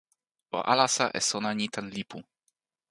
o alasa e sona ni tan lipu.